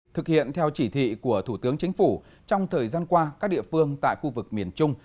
thực hiện theo chỉ thị của thủ tướng chính phủ trong thời gian qua các địa phương tại khu vực miền trung